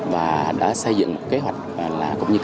và đã xây dựng kế hoạch